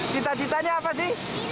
cita citanya apa sih